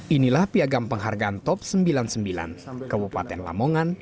inilah piagam penghargaan top sembilan puluh sembilan kabupaten lamongan